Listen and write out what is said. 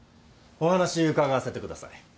お話伺わせてください。